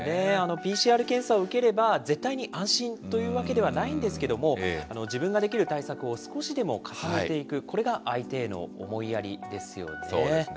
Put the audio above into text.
ＰＣＲ検査を受ければ、絶対に安心というわけではないんですけども、自分ができる対策を少しでも重ねていく、これが相手への思いやりですよね。